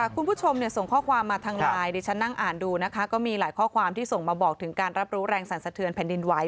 คุณผู้ชมส่งข้อความมาทางไลน์ดิฉันนั่งอ่านดูนะคะก็มีหลายข้อความที่ส่งมาบอกถึงการรับรู้แรงสรรสะเทือนแผ่นดินไหว